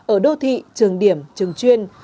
ở đô thị trường điểm trường chuyên